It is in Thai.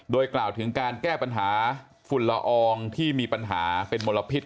โดยกล่าวถึงการแก้ปัญหาฝุ่นละอองที่มีปัญหาเป็นมลพิษ